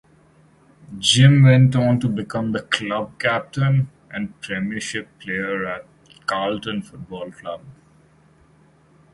Jim went onto become the club captain and premiership player at Carlton Football Club.